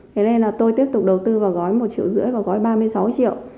thế nên là tôi tiếp tục đầu tư vào gói một triệu rưỡi và gói ba mươi sáu triệu